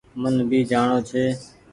من ڀي جآڻو ڇي۔